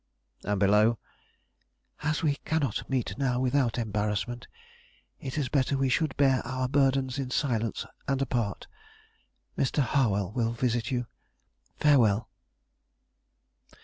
And below: "As we cannot meet now without embarrassment, it is better we should bear our burdens in silence and apart. Mr. Harwell will visit you. Farewell!"